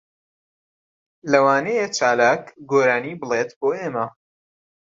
لەوانەیە چالاک گۆرانی بڵێت بۆ ئێمە.